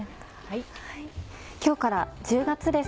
今日から１０月です。